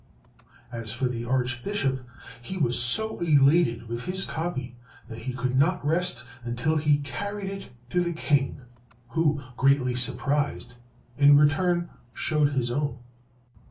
As for the Archbishop, he was so elated with his copy, that he could not rest until he had carried it to the King, who, greatly surprised, in return showed his own.